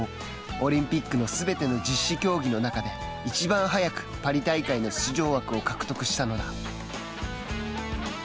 オリンピックのすべての実施競技の中でいちばん早くパリ大会の出場枠を獲得したのだ。